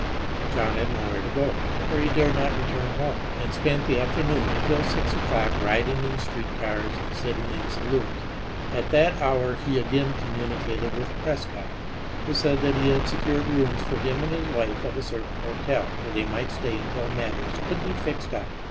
John had nowhere to go, for he dared not return home, and spent the afternoon until six o'clock riding in street cars and sitting in saloons. At that hour he again communicated with Prescott, who said that he had secured rooms for him and his wife at a certain hotel, where they might stay until matters could be fixed up.